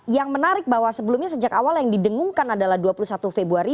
yang menarik bahwa sebelumnya sejak awal yang didengungkan adalah dua puluh satu februari